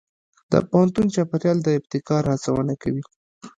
د پوهنتون چاپېریال د ابتکار هڅونه کوي.